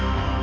ya makasih ya